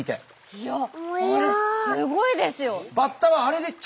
いやあれすごいですよ！